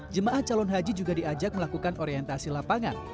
jemaah calon haji juga diajak melakukan orientasi lapangan